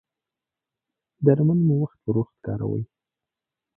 درمل مو وخت پر وخت کاروئ؟